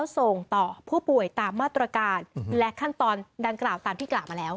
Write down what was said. ส่งต่อผู้ป่วยตามมาตรการและขั้นตอนดังกล่าวตามที่กล่าวมาแล้ว